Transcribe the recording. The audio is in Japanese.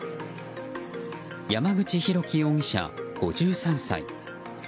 山口博基容疑者、５３歳。